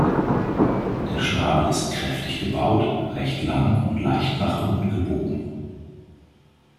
Der Schnabel ist kräftig gebaut, recht lang und leicht nach unten gebogen.